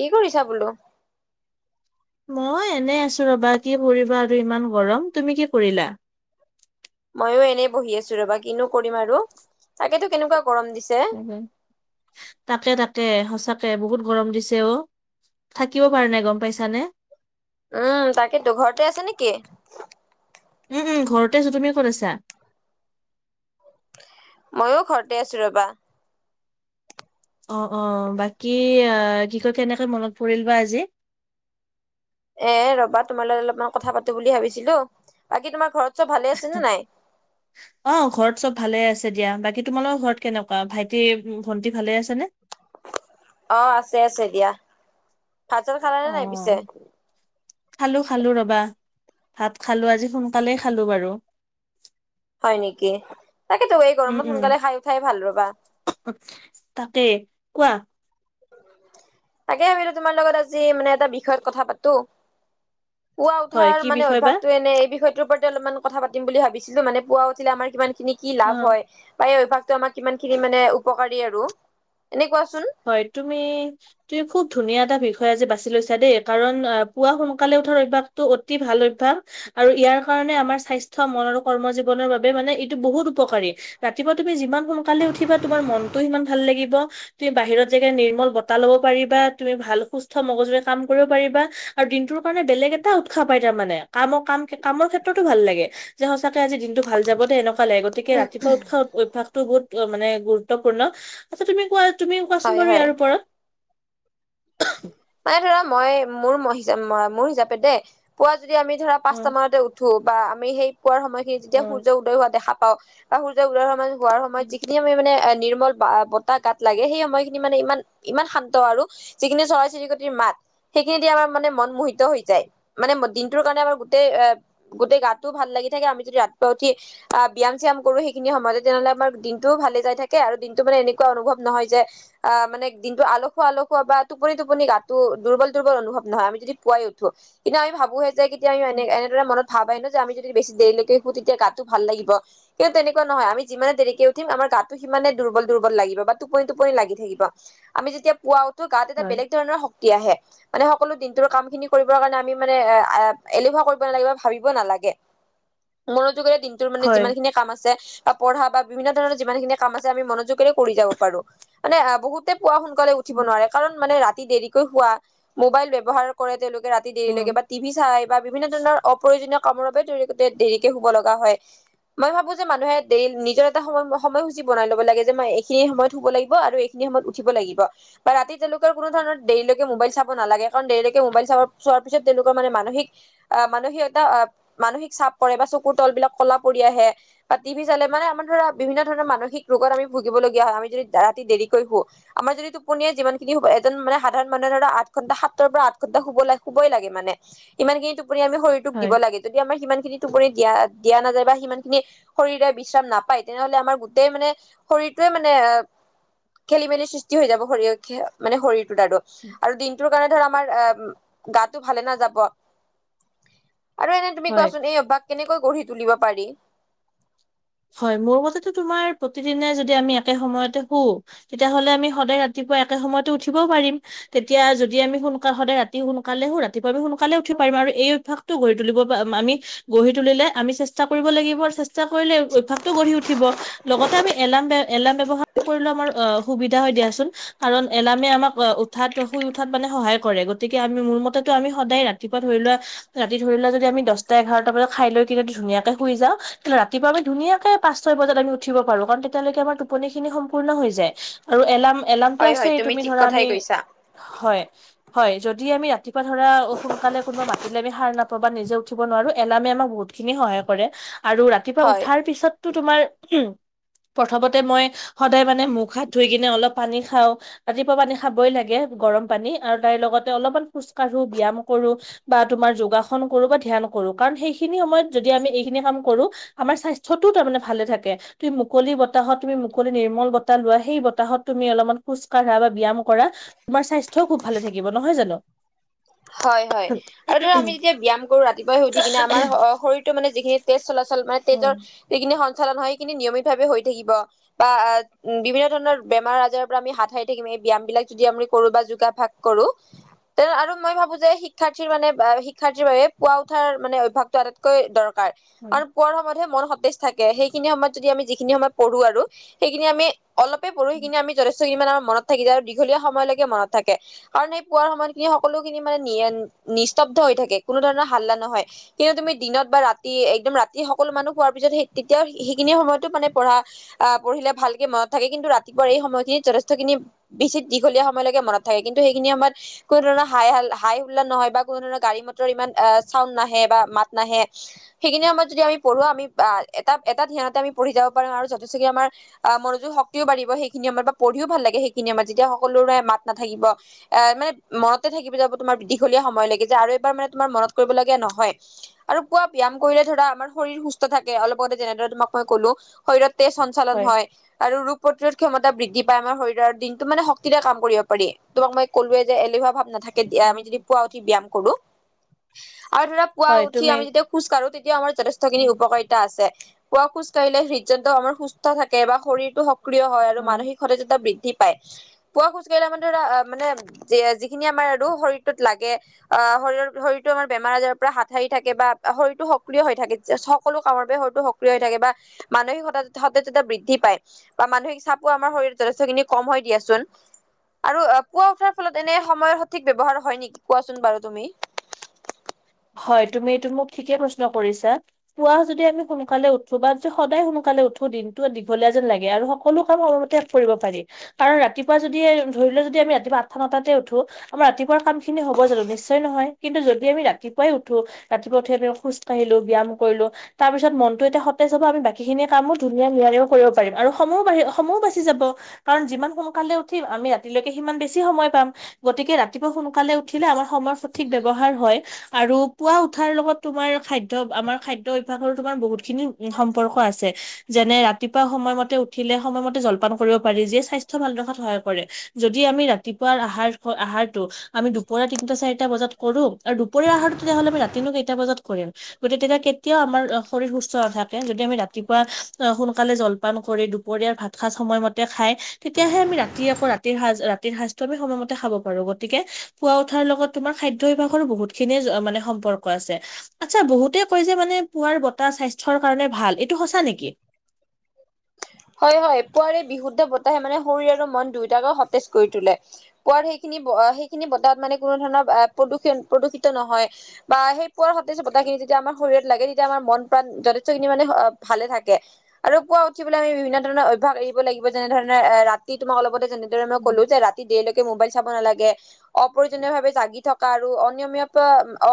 কি কৰিছা বোলো? মই এনে আছোঁ ৰবা কি কৰিবা আৰু ইমান গৰম তুমি কি কৰিলা? ময়ো এনেই বহি আছোঁ ৰবা, কিনো কৰিম তাকেতো কেনেকুৱা গৰম দিছে তাকে, তাকে সচাঁকে বহুত গৰম দিছে অ' থাকিব পৰা নাই গ'ম পাইছ নে? উম' তাকেতো ঘৰতে আছে নে' কি? উ'ম, উ'ম ঘৰতে আছোঁ, তুমি ক'ত আছা? মইও ঘৰতে আছোঁ ৰবা। অ', অ' বাকী আহ, কি কয়, কেনেকে মনত পৰিল বা আজি? এ ৰবা, তোমাল লগত অলপমান কথা পাতোঁ বুলি ভাবিছিলোঁ, বাকী তোমাৰ ঘৰত চব ভালে আছে নে [unintelligible] [inaudible] অ' ঘৰত চব ভালে আছে দিয়া, বাকী তোমালোকৰ ঘৰত কেনেকোৱা ভাইটি, ভণ্টি ভালে আছে নে? অ' আছে, আছে দিয়া ভাত চাত খালানে নাই পিছে খালোঁ, খালোঁ ৰবা ভাত খালোঁ আজি সোনকালেই খালোঁ বাৰু হয় নেকি, তাকেইতো এই গৰমত সোনকালে খাই উঠাই ভাল ৰবা তাকে, কোৱা। তাকে ভাৱিলো তোমাৰ লগত আজি মানে এটা বিষয়ত কথা পাতো। পুৱা হয় উঠাৰ কি মানে বিষয় বা অভ্যাসটো এনে এই বিষয়ত- বিষয়তে অলপমান কথা পাম বুলি ভাবিছিলো, মানে পুৱা উঠিলে আমাৰ কিমান খিনি কি অ লাভ হয়? পায় অভভ্যাসটো আমা কিমান খিনি মানে উপকাৰী আৰু, এনেই কোৱাচোন- হয় তুমি- তুমি খুব ধুনীয়া এটা বিষয় আজি বাছি লৈছা দেই, কাৰণ আ পুৱা সোনকালে উঠাৰ অভ্যাসটো অতি ভাল অভ্যাস। আৰু ইয়াৰ কাৰণে আমাৰ স্বাস্থ্য মন আৰু কৰ্ম জীৱনৰ বাবে মানে এইটো বহুত উপকাৰী। ৰাতিপুৱা তুমি যিমান সোনকালে উঠিবা, তোমাৰ মনটো সিমান ভাল লাগিব। তুমি বাহিৰত যেগে নিৰ্মল বতাহ লব পাৰিবা, তুমি ভাল সুস্থ মগজুৰে কাম কৰিব পাৰিবা- আৰু দিনটোৰ কাৰণে, বেলেগ এটা উৎসাহ পাই তাৰমানে কামৰ কাম কামৰ ক্ষেত্ৰতো ভাল লাগে। যে সঁচাকে আজি দিনতো ভাল যাৱ দেই এনেকুৱা লাগে, গতিকে ৰাতিপুৱা উঠা অভ্যাস- টো বহুত মানে গুৰুত্বপূৰ্ণ, আৎচ্ছা তুমি কোৱা তুমি হয় কোৱাচোন বাৰু হয় ইয়াৰ ওপৰত। মানে ধৰা, মই মোৰ হিচাপ মোৰ হিচাপে দেই পুৱা যদি আমি ধৰা- অ পাঁচটা মানতে উঠো বা আমি সেই পোৱাৰ সময়খিনি যেতিয়া অ সূৰ্য উদয় হোৱা দেখা পাওঁ, বা সূৰ্য উদয় হোৱা মানে- পোৱাৰ সময়ত যিখিনি- মানে মানে নিৰ্মল বা বতাহ গাত লাগে, সেই সময়খিনি মানে ইমান ইমান শান্ত আৰু- যিখিনি চৰাই চিৰিকটিৰ মাত- সেইখিনি দি আমাৰ মানে মন মোহিত হৈ যায়, মানে দিনটোৰ কাৰণে আমাৰ গোটেই এ- গোটেই গাতো ভাল লাগি থাকে, আমি যদি ৰাতিপুৱা উঠি- আহ ব্যায়াম চ্যায়াম কৰো সেইখিনি সময়তে আঁ ব্যাম চ্যাম কৰো সেইখিনি সময়তে তেনেহ'লে আমাৰ দিনটোও ভালে যায় থাকে আৰু দিনটো মানে এনেকুৱা অনুভৱ নহয় যে- অঁ' মানে দিনটো আলসুৱা আলসুৱা বা- টোপনি টোপনি গাটো দুৰ্বল দুৰ্বল অনুভৱ নহয় আমি যদি পোৱাই উঠো, কিন্তু আমি ভাবোহে যে- তেতিয়া আমি মানে এনেদৰে মনত ভাব আহে ন যে আমি যদি বেছি দেৰিলৈকে শোঁ তেতিয়া গাটো ভাল লাগিব। কিন্তু, তেনেকুৱা নহয় আমি যিমানে দেৰিকে উঠিম আমাৰ গাটো- সিমানে দুৰ্বল দুৰ্বল লাগিব বা টোপনি টোপনি লাগি থাকিব, আমি যেতিয়া পুৱা উঠো গাত- এটা হয় বেলেগ ধৰণৰ শক্তি আহে। মানে সকলো দিনটোৰ কাম খিনি কৰিবৰ কাৰণে আমি মানে, এ এলেহুৱা কৰিব নালাগে বা ভাবিব নালাগে। মনোযোগেৰে দিনটোৰ মানে হয় যিমান খিনি কাম আছে- অ পঢ়া বা বিভিন্ন ধৰণৰ যিমানখিনি কাম আছে আমি মনোযোগেৰে কৰি যাব পাৰো, মানে বহুতে- পোৱা সোনকালে উঠিব নোৱাৰে, কাৰণ মানে ৰাতি দেৰিকৈ শুৱা মোবাইল ব্যৱহাৰ কৰে তেওঁলোকে ৰাত- তি অ দেৰিলৈকে বা টিভি চাই বা বিভিন্ন ধৰণৰ অপ্ৰয়োজনীয় কামৰ বাবে দেৰিকে শুব লগা হয়। মই ভাবো যে মানুহে দেৰি নিজৰ এটা সময় সময়সূচী বনাই ল'ব লাগে, যে মই এইখিনি সময় শুব লাগিব আৰু এই- খিনি সময়ত উঠিব লাগিব। বা ৰাতি তেওঁলোকে কোনো ধৰণৰ দেৰিলৈকে মোবাইল চাব নালাগে। কাৰণ দেৰিলৈকে মোবাইল চ চোৱাৰ পিছত তেওঁলোকৰ মানে মানসিক- আহ মানে সিহঁতৰ মানসিক চাপ পৰে বা চকুৰ তল বিলাক কলা পৰি আহে- বা টিভি চালে মানে আমাৰ ধৰা বিভিন্ন ধৰণৰ মানসিক ৰোগত আমি ভুগিবলগীয়া হয় আমি যদি ৰাতি দেৰিকৈ শোঁ। আমাৰ যদি টোপনীয়ে যিমান- কিন্ত এজন মানে সাধাৰণ মানুহে ধৰা আঠ ঘণ্টা সাতৰ পৰা আঠ ঘণ্টা হুঁব লাগে শুঁবই লাগে মানে। ইমান খিনি টোপনি আমি শৰীৰটোক হয় দিব লাগে, যদি আমাৰ সিমানখিনি টোপনি দিয়া দিয়া নাযায় বা সিমানখিনি- শৰীৰে বিশ্ৰাম নাপায়, তেনেহলে আমাৰ গোটেই মানে শৰীৰটোৱে মানে এ- খেলি মেলি সৃষ্টি হৈ যাব শৰীৰ মানে শৰীৰটোত আৰু, আৰু দিন- টোৰ কাৰণে ধৰ আমাৰ এ গাটো ভালে নাযাব। আৰু এনেই তুমি হয়। কোৱাচোন, এই অভ্যাক কেনেকৈ গঢ়ি তুলিব পাৰি? হয়, মোৰ মতেতো তোমাৰ প্ৰতিদিনে যদি আমি একে সময়তে শু- তেতিয়াহলে আমি সদায় ৰাতিপুৱা একে সময়তে উঠিবও পাৰিম। তেতিয়া যদি আমি সোনকালে সদায় ৰাতি সোনকালে হু ৰাতিপুৱা আমি সোনকালে উঠি পাৰিম আৰু এই অভ্যাস গঢ়ি তুলিব প আমি গঢ়ি তুলিলে আমি চেষ্টা কৰিব লাগিব চেষ্টা কৰিলে অভ্যাসটো উঠিব লগতে আমি এলাৰ এলাৰ্ম ব্যৱহাৰ কৰিলে আমাৰ অ সুবিধা হয় দিয়াচোন। কাৰণ এলামে আমাক উঠাত শুই উঠাত মানে সহায় কৰে গতিকে আমি মোৰ মতেতটো আমি সদায় ৰাতি ৰাতিপুৱা ধৰি লোৱা ৰাতি ধৰিলোৱা যদি আমি দহটা এঘাৰটা বজাত খাই লৈ কিদি ধুনীয়াকে শুইওঁ তেতিহলে ৰাতিপুৱা ধুনীয়াকে পাঁচ ছয় বজাত আমি উঠিব পাৰো কাৰণ তেতিয়ালৈকে আমাৰ টোপনি খিনি সম্পূৰ্ণ হৈ যায়। আৰু এলাৰ্ম এলাৰ্মটো হয় আছে হয় তুমি ঠিক ধৰা আমি কথাই কৈছা। হয় হয় যদি আমি ৰাতিপুৱা ধৰা অ সোনকালে কোনোবা মা উতি আমি সাৰ নাপাওঁ বা নিজে উঠিব নোৱাৰো এলাৰ্মে আমাক বহুতখিনি সহায় কৰে আৰু ৰাতিপুৱা উ হয় তাৰ পিছতো তোমাৰ প্ৰথমতে মই সদায় মানে মুখ হাত ধুই কিনে অলপ পানী খাওঁ ৰাতিপুৱা পানী খাবই লাগে গৰম পানী আৰু তাইৰ লগতে অলপমান খোজ কাঢ়ো ব্যায়াম কৰো বা তুমাৰ যোগাসন কৰো বা ধ্যান কৰো কাৰণ সেইখিনি সময়ত যদি আমি এইখিনি কাম কৰো আমাৰ স্বাস্থ্যটো তাৰমানে ভালে থাকে। তুমি মুকলি বতাহত তুমি নিৰ্মল বতাহ লোৱা সেই বতাহত তুমি অলপমান খোজ কঢ়া বা ব্যয়াম কৰা - তোমাৰ স্বাস্থ্যও খুব ভালে থাকিব নহয় জানো, হয় হয় আৰু ধৰা আমি যেতিয়া ব্যায়াম কৰো ৰাতিপুৱাই উঠি কিনে আমাৰ শৰীৰ মানে যিখিনি তেজ চলাচল মানে তেজৰ উম, যিখিনি সঞ্চালন হয় সেইখিনি নিয়মিত ভাৱে হৈ থাকিব। বা আ উম বিভিন্ন ধৰণৰ বেমাৰ আজাৰৰ পৰা আমি হাত সাৰ থাকিম এই ব্যায়াম বিলাক যদি আমি কৰো বা যোগাভাস কৰো আৰু মই ভাবোঁ যে শিক্ষাৰ্থীৰ মানে বাবে পুৱা উঠাৰ মানে অভ্যাসটো মানে আটাইতকৈ দৰকাৰ হয় কাৰণ পোৱাৰ সময়তহে মন সতেজ থাকে সেইখিনি সময়ত যদি আমি যিখিনি সময় পঢ়ো আৰু সেইখিনি আমি অলপে পঢ়ো সেইখিনি আমি যথেষ্ট কিনমান আমাৰ মনত থাকি যায় আৰু দীঘলীয়া সময়লৈকে মনত থাকে কাৰণ সেই পোৱাৰ সময়তখিনি সকলো সেইখিনি মানে নিস্তব্ধ হৈ থাকে কোনো ধৰণৰ হাল্লা নহয়। কিন্তু তুমি দিনত বা ৰাতি একদম ৰাতি সকলো মানুহ হোৱাৰ পিছত সেই তেতিয়াও সেইখিনি সময়তো মানে পঢ়া আহ পঢ়িলে ভালকে মনত থাকে কিন্তু ৰাতিপুৱা এই সময়খিনিত যথেষ্টখিনি বেছি দীঘলীয়া সময়লৈকে মনত থাকে কিন্তু সেইখিনি আমাৰ কোনো ধৰণৰ হাই হ হাই হোল্লা নহয় বা কোনো ধৰণৰ গাড়ী মটৰ ইমান চাউণ্ড নাহে বা মাত নাহে সেইখিনি সময়ত যদি আমি পঢ়ো আমি এটা এটা ধ্যানতে আমি পঢ়ি যাব পাৰোঁ আৰু যথেষ্ট কে আমাৰ আহ মনোযোগ শক্তিও বাঢ়িব সেইখিনি সময়ত বা পঢ়িও ভাল লাগে সেইখিনি সময়ত যেতিয়া সকলোৰে মাত নাথাকিব আহ মানে মনতে থাকিব যাব তোমাৰ দীঘলীয়া সময়লৈকে যে আৰু এবাৰ মানে তোমাৰ মনত কৰিবলগীয়া নহয় আৰু পোৱা ব্যায়াম কৰিলে ধৰা আমাৰ শৰীৰ সুস্থ থাকে অলপ আগতে যেনেদৰে তোমাক মই কলোঁ। শৰীৰত তেজ সঞ্চালন হয় আৰু ৰোগ প্ৰতিৰোধ ক্ষমতা বৃদ্ধি পাই আমাৰ শৰীৰৰ দিনতটো মানে শক্তিৰে কাম কৰিব পাৰি তোমাক মই ক'লোৱে যে এলেহুৱা ভাব নাথাকে দিয়া আমি যদি পুৱা উঠি ব্যায়াম কৰো আৰু ধৰা পুৱা হয় উঠি তুমি আমি যেতিয়া খোজ কঢ়ো তেতিয়াও আমাৰ যথেষ্টখিনি উপকাৰিতা আছে পুৱা খোজ কঢ়িলে হৃদযন্ত আমাৰ সুস্থ থাকে বা শৰীৰটো সক্ৰিয় হয় আৰু মানসিক সতেজতা বৃদ্ধি পাই পুৱা খোজ কাঢ়িলে মানে ধৰা মানে সেই খিনি আমাৰ আৰু শৰীৰটোত লাগে অ শৰীৰৰ শৰীৰো আমাৰ আজাৰৰ পৰা হাত থাকে বা শৰতটো সক্ৰিয় হৈ থাকে সকলো কামৰ বাবে শৰীৰটো সক্ৰিয় হৈ থাকে বা মানসিক সতেজতা বৃদ্ধি পায় বা মানসিক চাপো আমাৰ শৰীৰত যথেষ্ট খিনি কম হয় দিয়াচোন আৰু পুৱা উঠাৰ ফলত এনে সময়ৰ সঠিক ব্যৱহাৰ হয় নেকি কোৱাচোন বাৰু তুমি হয় তুমি এইটো মোক ঠিকে প্ৰশ্ন কৰিছা পুৱা যদি আমি সোনকালে উঠো বা যদি সদায় সোনকালে উঠো দিনটো দীঘলীয়া যেন লাগে আৰু সকলো কাম সময় মতে কৰিব পাৰি কাৰণ ৰাতিপুৱা যদি ধৰি লও যদি আমি ৰাতিপুৱা আঠটা নটাতে উঠো আমাৰ ৰাতিপুৱা কাম খিনি হ'ব জানো নিশ্চয় নহয় কিন্তু যদি আমি ৰা ৰাতিপুৱাই উঠো ৰাতিপুৱা উঠি আমি খোজ কঢ়িলো ব্যায়াম কৰিলো তাৰপিছত মনটো এতি সতেজ হব আমি বাকীখিনি কামো ধুনীয়া নিয়াৰিকৈ কৰিব পাৰিম আৰু সময়ো বাঢ়ি সময়ো বাচি যাব কাৰণ যিমান সোনকালে উঠিম আমি ৰাতিলৈকে সিমান বেছি সময় পাম গতিকে ৰাতি ৰাতিপুৱা সোনকালে উঠিলে আমাৰ সময় সঠিক ব্যৱহাৰ হয় আৰু পুৱা উঠাৰ লগত তোমাৰ খাদ্য আমাৰ খাদ্য অভ্যাসৰো তোমাৰ বহুতখিনি সম্পৰ্ক আছে যেনে ৰাতিপুৱা সময়মতে উঠিলে সময়মতে জলপান কৰিব পাৰি যিয়ে স্বাস্থ্য ভাল ৰখাত সহায় কৰে যদি আমি ৰাতিপুৱা আহাৰ আহাৰটো আমি দুপৰীয়া তিনটা চাৰিটা বজাত কৰো দুপৰীয়া আহাৰটো তেতিয়াহ'লে আমি ৰাতিনো কেইটা বজাত কৰিম গতিকে তেতিয়া কেতিয়াও আমাৰ শৰীৰ সুস্থ নাথাকে যদি আমি ৰাতিপুৱা আহ সোনকালে জলপান কৰি দুপৰীয়াৰ ভাত সাজ সময় মতে খায় তেতিয়াহে আমি ৰাতি আকৌ ৰাতিৰ সাজ ৰাতিৰ সাজটো আমি সময়মতে খাব পাৰো গতিকে পোৱা উঠাৰ লগত তোমাৰ খাদ্য বিভাগৰো বহুত খিনিয়ে মানে সম্পৰ্ক আছে আচ্ছা বহুতে কয় যে মানে পুৱাৰ বতাহ স্বাস্থ্যৰ কাৰণে ভাল এইটো সঁচা নেকি হয় হয় পুৱাৰে বিশুদ্ধ বতাহে মানে শৰীৰ আৰু মন দুয়টাকে সতেজ কৰি তোলে পুৱাৰ সেইখিনি সেইখিনি বতাহ মানে কোনো ধৰণৰ প্ৰদূষণ প্ৰদূষিত নহয় বা সেই পুৱাৰ সতেজ বতাহখিনি যেতিয়া আমাৰ শৰীৰত লাগে তেতিয়া আমাৰ মন প্ৰাণ যথেষ্টখিনি মানে ভালে থাকে আৰু পুৱা উঠিবলৈ আমি বিভিন্ন ধৰণৰ অভ্যাস এৰিব লাগিব যেনে ধৰণে ৰাতি তোমাক অলপতে যেনেদৰে মই ক'লো উম, যে ৰাতি ৰাতি দেৰিলৈকে মোবাইল চাব নালাগে অপ্ৰয়োজনীয় ভাৱে জাগি থকা আৰু অনিয়মীয়া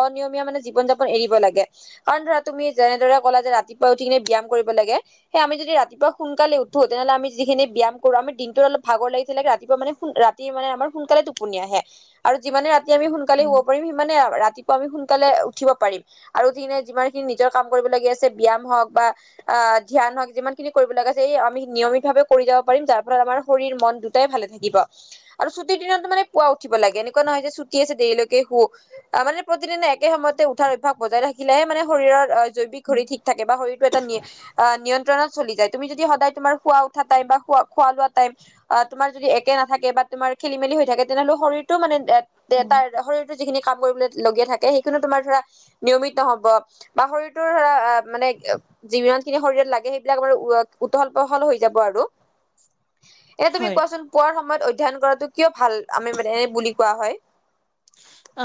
অনিয়মীয়া মানে জীৱন যাপন এৰিব লাগে কাৰণ ধৰা তুমি যেনেদৰে কলা যে ৰাতিপুৱা উঠি কিনে ব্যায়াম কৰিব লাগে সেই আমি যদি ৰাতিপুৱা সোনকালে উঠো তেনেহ'লে আমি যিখিনি ব্যায়াম কৰো আমি দিনটো অলপ ভাগৰ লাগি থাকিলে ৰাতিপুৱা মানে সোন ৰাত ৰাতি মানে আমাৰ সোনকালে টোপনি আহে আৰু যিমানে ৰাতি আমি সোনকালে শুব উম, পাৰিম সিমানে ৰাতি ৰাতিপুৱা আমি সোনকালে উঠিব পাৰিম আৰু উঠি কিনে যিমান খিনি নিজৰ কাম কৰিবলগীয়া আছে ব্যায়াম হওক বা আহ ধ্যান হওক যিমানখিনি কৰিব লগা আছে আমি নিয়মিতভাৱে কৰি যাব পাৰিম যাৰ ফলত আমাৰ শৰীৰ মন দুটাই ভালে থাকিব আৰু ছুটিৰ দিনত মানে পুৱা উঠিব লাগে এনেকুৱা নহয় যে ছুটি আছে দেৰিলৈকে শুৱ অ মানে প্ৰতিদিনে একে সময়তে উঠাৰ অভ্যাস বজাই ৰাখিলেহে মানে শৰীৰৰ জৈৱিক উম, শৰীৰ ঠিক থাকে বা শৰীৰটো এটা নি নিয়ন্তণত চলি যায় তুমি যদি সদায় তোমাৰ শুৱা উঠা টাইম বা শুৱা খোৱা লোৱা টাইম অ তোমাৰ যদি একে নাথাকে বা তোমাৰ খেলি মেলি হৈ থাকে তেনেহ'লে শৰীৰটো মানে এ তাৰ উম, শৰীৰ যিখিনি কাম কৰিবলৈ লগীয়া থাকে সেইখিনিও তোমাৰ ধৰা নিয়মিত নহব বা শৰীৰটোৰ ধৰা মানে যিমান যিখিনি শৰীৰত লাগে সেইবিলাক আৰু উৰত উঢল পহল হৈ যাব আৰু এনেই তুমি হয়। কোৱাচোন পুৱাৰ সময়ত অধ্যয়ন কৰাটো কিয় ভাল আমি মানে বুলি কোৱা হয় অ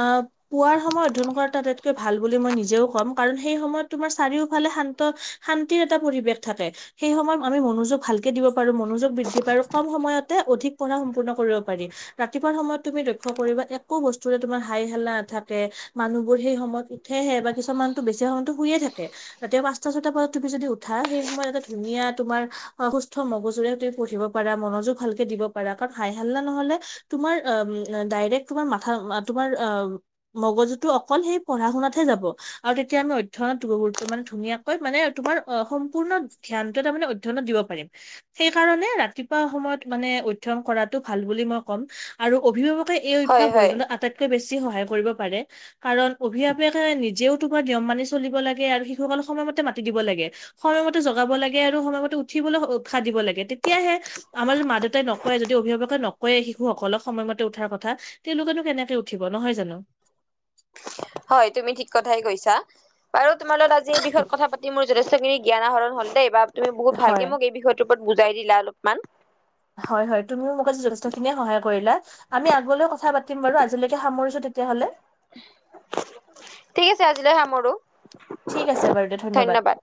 পুৱাৰ সময়ত অধ্যয়ন কৰা আটাইতকৈ ভাল বুলি মই নিজেও কম কাৰণ সেই সময়ত তোমাৰ চাৰিওফালে শান্ত শান্তিৰ এটা পৰিৱেশ থাকে সেই সময়ত আমি মনোযোগ ভাল ভালকে দিব পাৰো মনোযোগ বৃদ্ধি পাই আৰু কম সময়তে অধিক পঢ়া সম্পূৰ্ণ কৰিব পাৰি ৰাতিপুৱা সময়ত তুমি লক্ষ্য কৰিবা একো বস্তু একোটোৱে তোমাৰ হাই হেল্লা নাথাকে মানুহবোৰ সেই সময়ত সেয়েহে বা কিছুমানতো বেছি সময়তো শুয়ে থাকে ৰাতিপুৱা পাঁচ পাচটা ছটা বজাত তুমি যদি উঠা সেই সময়ত এটা ধুনীয়া তোমাৰ অ সুস্থ মগজুৰে তুমি পঢ়িব পাৰা মনযোগ ভালকে দিব পাৰা কাৰণ হাই হাল্লা নহ'লে তোমাৰ আ ম ডাইৰেক্ট তোমাৰ মাথ থা আ তোমাৰ আ ম মগজুটো অকল সেই পঢ়া শুনাত হে যাব আৰু তেতিয়া আমি অধ্যয়ত গুৰুত্ব মানে ধুনীয়া কৈ মানে তোমাৰ অ সম্পূৰ্ণ ধ্যানটো মানে অধ্যয়নত দিব পাৰিম সেইকাৰণে ৰাতিপুৱা সময়ত মানে অধ্যয়ন কৰাতটো ভাল বুলি মই ক'ম আৰু অভিভাৱকে এই গঢ়ি হয় অভ্যাস হয় তোলাত আটাইতকৈ বেছি সহায় কৰিব পাৰে কাৰণ অভিভাৱকে নিজেও তোমাৰ নিয়ম মানি চলিব লাগে আৰু শিশুসকলক সময়মতে মাতি দিব লাগে সময়মতে জগাব লাগে আৰু সময়মতে উঠিবলৈ উৎসাহ দিব লাগে তেতিয়াহে আমাৰ যদি মা দেউতাই নকয়ে যদি অভিভাৱকে নকয়েই শিশুসকলক সময়মতে উঠাৰ কথা তেওঁলোকেনো কেনেকে উঠিব নহয় জানো হয় তুমি ঠিক কথাই কৈছা বাৰু তোমাৰ লগত আজি এই বিষয়ত কথা পাত তি মোৰ যথেষ্ট খিনি জ্ঞান আহৰণ হল দেই বা তুমি বহুত হয় ভালকে মোক এই বিষয়টোৰ ওপৰত বুজাই দিলা অলপমান হয় হয় তুমিও মোক আজি যথেষ্টখিনিয়ে সহায় কৰিলা আমি আগলৈ কথা পাতিম বাৰু আজিলৈকে সামৰিছো তেতিয়াহ'লে ঠিক আছে আজিলৈ সামৰো ঠিক আছে বাৰু দে ধন্যবাদ